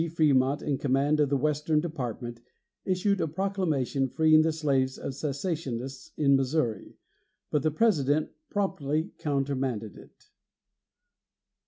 Frémont, in command of the Western Department, issued a proclamation freeing the slaves of secessionists in Missouri, but the President promptly countermanded it.